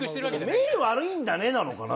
「目悪いんだね」なのかな？